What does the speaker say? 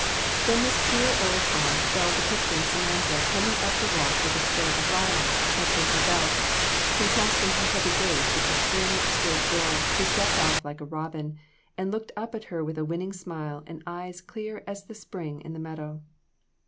Then this queer old aunt fell to picturing Samantha coming up the walk with a spray of lilac tucked in her belt, contrasting her heavy gait with this slim, straight girl, who stepped off like a robin, and looked up at her with winning smile and eyes clear as the spring in the meadow.